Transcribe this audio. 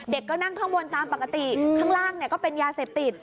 ก็นั่งข้างบนตามปกติข้างล่างก็เป็นยาเสพติด